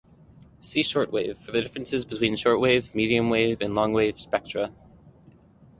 See shortwave for the differences between shortwave, medium wave, and long wave spectra.